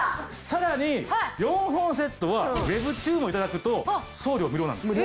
さらに４本セットはＷＥＢ注文頂くと送料無料なんです。